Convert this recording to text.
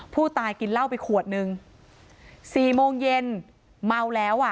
ผู้ตายกินเหล้าไปขวดนึงสี่โมงเย็นเมาแล้วอ่ะ